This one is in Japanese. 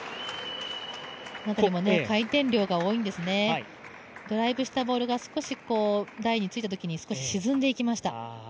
回転量が多いんですね、ドライブしたボールが台についたときに少し沈んでいきました。